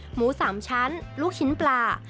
หมู๓ชั้นลูกชิ้นปลา